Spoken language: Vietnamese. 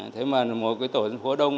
thế mà một cái tổ dân phố đông